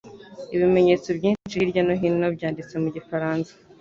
Ibimenyetso byinshi hirya no hino byanditswe mu gifaransa .